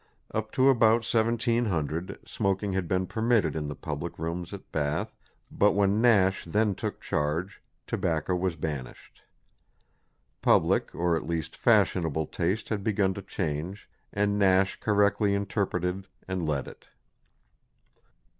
Up to about 1700 smoking had been permitted in the public rooms at Bath, but when Nash then took charge, tobacco was banished. Public or at least fashionable taste had begun to change, and Nash correctly interpreted and led it.